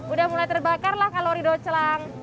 udah mulai terbakar lah kalau ridau celang